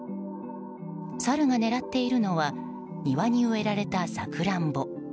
サルが狙っているのは庭に植えられたサクランボ。